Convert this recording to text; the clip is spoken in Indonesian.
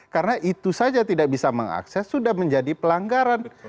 karena itu saja tidak bisa mengakses sudah menjadi pelanggaran